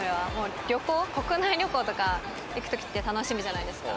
旅行、国内旅行とか行く時って楽しみじゃないですか。